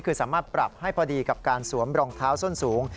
คือสามารถปรับให้พอดีกับการสวมรองเท้าส้นสูง